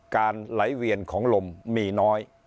ไหลเวียนของลมมีน้อย